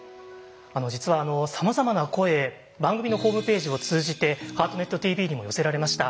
実はさまざまな声番組のホームページを通じて「ハートネットＴＶ」にも寄せられました。